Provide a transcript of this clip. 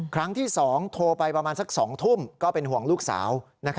ครั้งที่๒โทรไปประมาณสัก๒ทุ่มก็เป็นห่วงลูกสาว